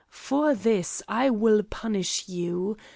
For this I will punish you.